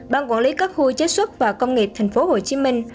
ban quản lý các khu chế xuất và công nghiệp tp hcm